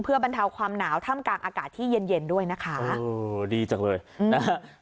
เพื่อบรรเทาความหนาวท่ามกลางอากาศที่เย็นเย็นด้วยนะคะเออดีจังเลยนะฮะ